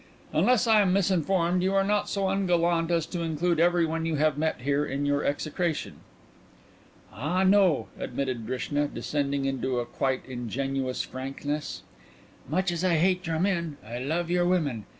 "Unless I am misinformed, you are not so ungallant as to include everyone you have met here in your execration?" "Ah, no," admitted Drishna, descending into a quite ingenuous frankness. "Much as I hate your men I love your women.